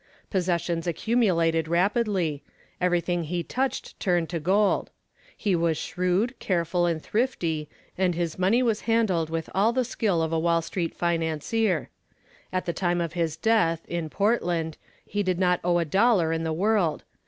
Possessions accumulated rapidly; everything he touched turned to gold. He was shrewd, careful, and thrifty, and his money was handled with all the skill of a Wall Street financier. At the time of his death, in Portland, he did not owe a dollar in the world.